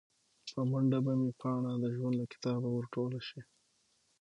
په منډه به مې پاڼه د ژوند له کتابه ور ټوله شي